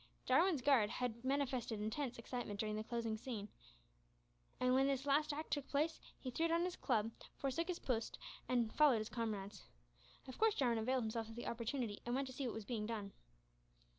Jarwin's guard had manifested intense excitement during the closing scene, and when this last act took place he threw down his club, forsook his post, and followed his comrades. Of course Jarwin availed himself of the opportunity, and went to see what was being done.